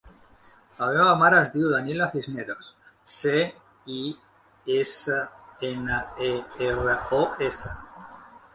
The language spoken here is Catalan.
La meva mare es diu Daniela Cisneros: ce, i, essa, ena, e, erra, o, essa.